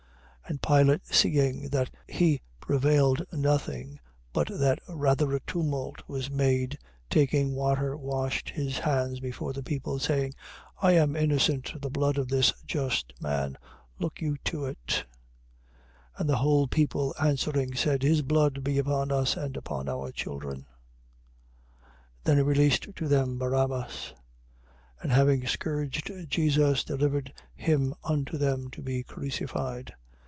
And Pilate seeing that he prevailed nothing, but that rather a tumult was made, taking water washed his hands before the people, saying: I am innocent of the blood of this just man. Look you to it. 27:25. And the whole people answering, said: His blood be upon us and upon our children. 27:26. Then he released to them Barabbas: and having scourged Jesus, delivered him unto them to be crucified.